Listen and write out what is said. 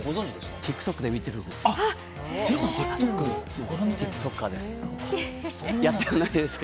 ＴｉｋＴｏｋで見てるんですよ。